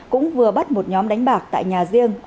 cũng vừa bắt một nhóm đánh bạc tại nhà riêng